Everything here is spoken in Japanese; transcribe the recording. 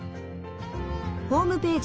ホームページ